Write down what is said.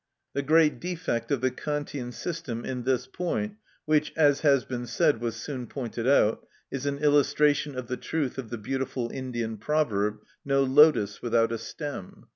The great defect of the Kantian system in this point, which, as has been said, was soon pointed out, is an illustration of the truth of the beautiful Indian proverb: "No lotus without a stem."